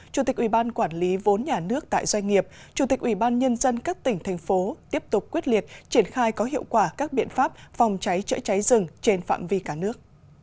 chủ tịch ủy ban quản lý vốn nhà nước tại doanh nghiệp chủ tịch ủy ban nhân dân các tỉnh thành phố tiếp tục quyết liệt triển khai có hiệu quả các biện pháp phòng cháy chữa cháy rừng trên phạm vi cả nước